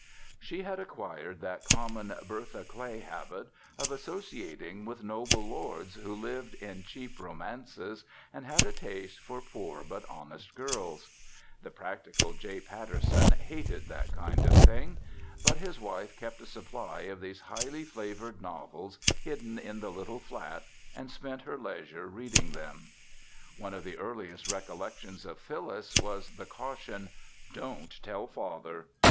She had acquired that common Bertha Clay habit of associating with noble lords who lived in cheap romances and had a taste for poor but honest girls. The practical J. Patterson hated that kind of thing. But his wife kept a supply of these highly flavored novels hidden in the little flat and spent her leisure reading them. One of the earliest recollections of Phyllis was the caution, "Don't tell father!"